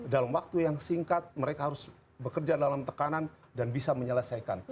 dalam waktu yang singkat mereka harus bekerja dalam tekanan dan bisa menyelesaikan